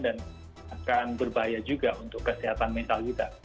dan akan berbahaya juga untuk kesehatan mental kita